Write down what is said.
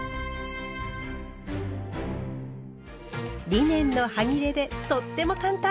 リネンのはぎれでとっても簡単！